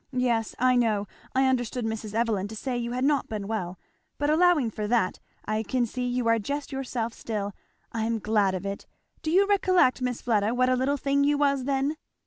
Yes, I know, I understood Mrs. Evelyn to say you had not been well; but allowing for that I can see you are just yourself still I'm glad of it. Do you recollect, Miss Fleda, what a little thing you was then?"